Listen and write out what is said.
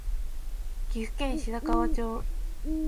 岐阜県白川町